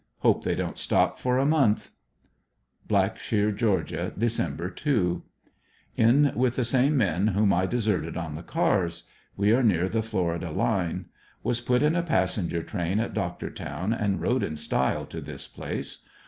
Hope they won't stop for a month. Blacksiiear, Ga., Dec. 2. — In with the same men whom I de serted on the cars. We are near the Florida line. Was put in a passenger train at Doctortown and rode in style to this place.